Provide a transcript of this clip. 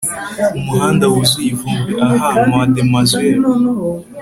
Umuhanda wuzuye ivumbi Ah Mademoiselle